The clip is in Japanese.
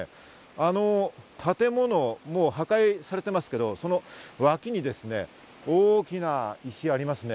あの建物、破壊されてますけど、この脇に大きな石がありますね。